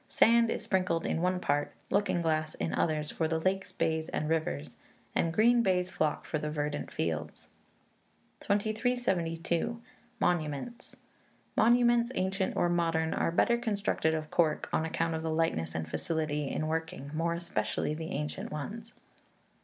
Sand is sprinkled in one part; looking glass in others, for the lakes, bays, and rivers; and green baize flock for the verdant fields. 2372. Monuments. Monuments, ancient or modern, are better constructed of cork, on account of the lightness and facility in working, more especially the ancient ones.